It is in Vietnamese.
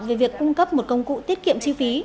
về việc cung cấp một công cụ tiết kiệm chi phí